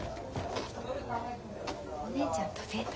お姉ちゃんとデート？